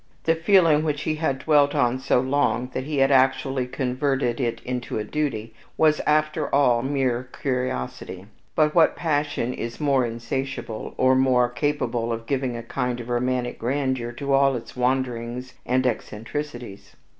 The feeling which he had dwelt on so long, that he had actually converted it into a duty, was after all mere curiosity; but what passion is more insatiable, or more capable of giving a kind of romantic grandeur to all its wanderings and eccentricities?